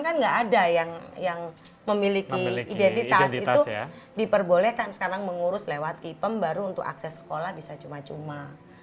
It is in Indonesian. kan nggak ada yang memiliki identitas itu diperbolehkan sekarang mengurus lewat kipem baru untuk akses sekolah bisa cuma cuma